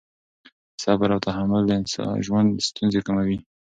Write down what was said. صبر او تحمل د ژوند ستونزې کموي.